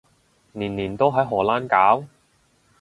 年年都喺荷蘭搞？